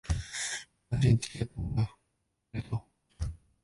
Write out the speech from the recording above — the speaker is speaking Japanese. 話につきあってもらってありがとう